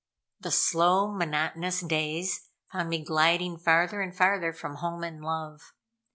The slow, monotonous days found me gliding farther and farther from home and love.